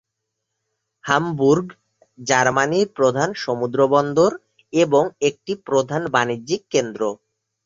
Hamburg জার্মানির প্রধান সমুদ্র বন্দর এবং একটি প্রধান বাণিজ্যিক কেন্দ্র।